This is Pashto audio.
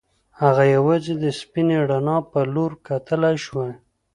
هغه یوازې د سپینې رڼا په لور کتلای شوای